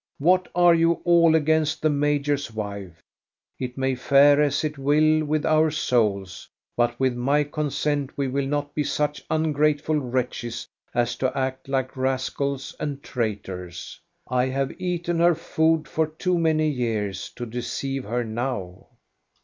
What are you all against the major's wife? It may fare as it will with our souls, but with my consent we will not be such ungrateful wretches as to act like rascals and traitors. I have eaten her food for too many years to deceive her now."